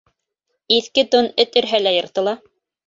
Иҫке тун эт өрһә лә йыртыла.